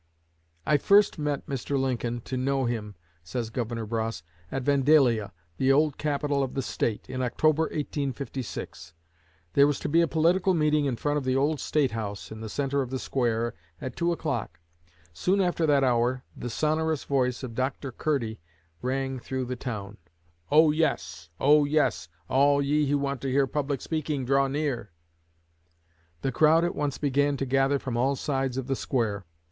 "I first met Mr. Lincoln, to know him," says Governor Bross, "at Vandalia, the old capital of the State, in October, 1856. There was to be a political meeting in front of the old State House, in the center of the square, at 2 o'clock. Soon after that hour the sonorous voice of Dr. Curdy rang through the town: 'O, yes! O, yes! All ye who want to hear public speaking, draw near!' The crowd at once began to gather from all sides of the square.